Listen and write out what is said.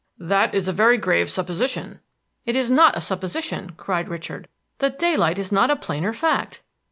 "That is a very grave supposition." "It is not a supposition," cried Richard. "The daylight is not a plainer fact."